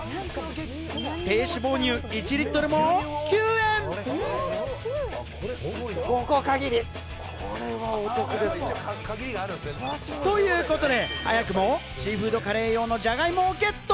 低脂肪乳１リットルも９円！ということで早くもシーフードカレー用のじゃがいもをゲット。